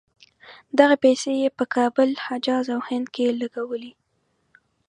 دغه پیسې یې په کابل، حجاز او هند کې لګولې.